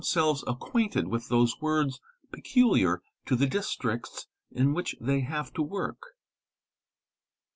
selves acquainted with those words peculiar to the districts in which they have to work.